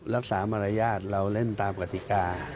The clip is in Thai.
รักษามารยาทเราเล่นตามกติกา